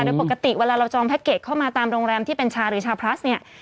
โดยปกติเวลาเราจองแพ็กเกจเข้ามาตามโรงแรมที่เป็นชาหรือชาพลัสเนี่ย